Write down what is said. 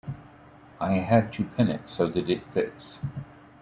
I had to pin it so that it fits.